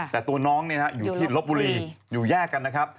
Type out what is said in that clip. แต่ตัวน้องอยู่ที่ลบบุรีอยู่แยกกันนะครับ